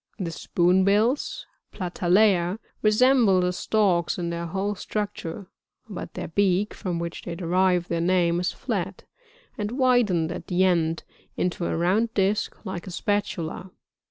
44. The Spoonbills, — Platalea, — resemble the Storks in their whole structure ; but their beak, from which they derive their name, is flat, and widened at the end into a round disk like a spatula, (Plate 5, Jig